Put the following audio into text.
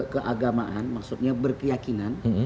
keagamaan maksudnya berkeyakinan